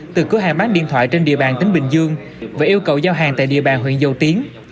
từ cửa hàng bán điện thoại trên địa bàn tỉnh bình dương và yêu cầu giao hàng tại địa bàn huyện dầu tiếng